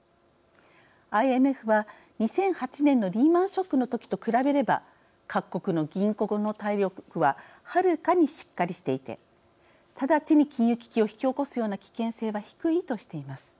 ＩＭＦは、２００８年のリーマンショックの時と比べれば各国の銀行の体力ははるかにしっかりしていて直ちに金融危機を引き起こすような危険性は低いとしています。